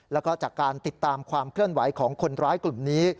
แล้วก็จากการติดตามความเคลื่อนไหวของคนร้ายกลุ่มนี้